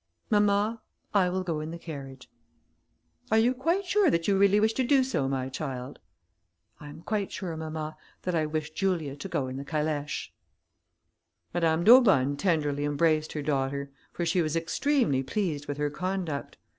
"Mamma, I will go in the carriage." "Are you quite sure that you really wish to do so, my child?" "I am quite sure, mamma, that I wish Julia to go in the calèche." Madame d'Aubonne tenderly embraced her daughter, for she was extremely pleased with her conduct.